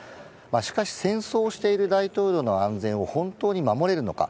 しかし、戦争をしている大統領の安全を本当に守れるのか。